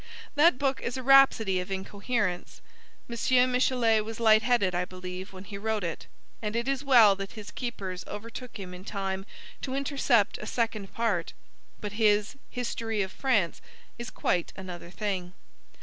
That book is a rhapsody of incoherence. M. Michelet was light headed, I believe, when he wrote it: and it is well that his keepers overtook him in time to intercept a second part. But his History of France is quite another thing.